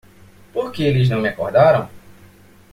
Por que eles não me acordaram?